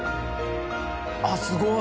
あっすごい！